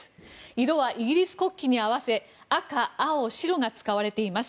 色はイギリス国旗に合わせ赤、青、白が使われています。